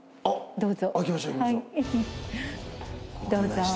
どうぞ。